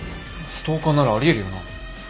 ストーカーならありえるよな。